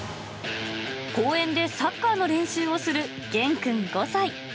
公園でサッカーの練習をする元くん５歳。